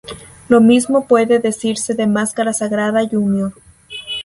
Lo mismo puede decirse de Máscara Sagrada Jr.